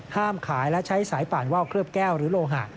ขายและใช้สายป่านว่าวเคลือบแก้วหรือโลหะ